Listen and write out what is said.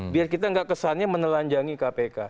biar kita nggak kesannya menelanjangi kpk